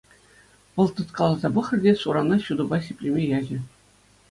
Вӑл тыткаласа пӑхрӗ те сурана ҫутӑпа сиплеме ячӗ.